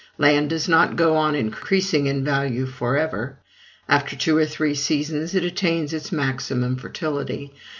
Land does not go on increasing in value for ever; after two or three seasons it attains its maximum fertility.